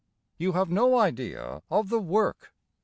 You have no idea of the WORK.